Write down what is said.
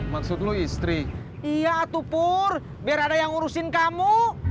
ya supur biar ada yang urusin kamu